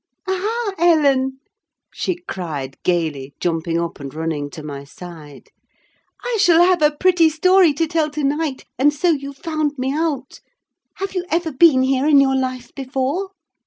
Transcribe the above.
"Aha, Ellen!" she cried, gaily, jumping up and running to my side. "I shall have a pretty story to tell to night; and so you've found me out. Have you ever been here in your life before?"